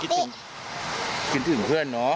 คิดถึงคิดถึงเพื่อนเนาะ